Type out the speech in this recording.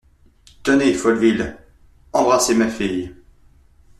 Tenez, Folleville, embrassez ma fille.